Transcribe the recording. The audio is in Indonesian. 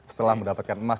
setelah mendapatkan emas